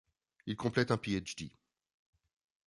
Il complète un Ph.D.